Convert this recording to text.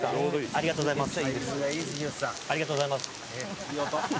「ありがとうございます」